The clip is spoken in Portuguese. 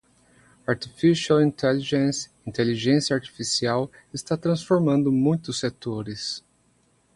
Artificial Intelligence (Inteligência Artificial) está transformando muitos setores.